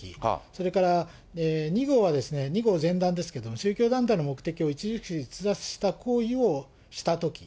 それから二号はですね、二号前段ですけれども、宗教団体の目的を著しく逸脱した行為をしたとき。